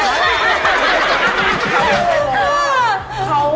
การที่บูชาเทพสามองค์มันทำให้ร้านประสบความสำเร็จ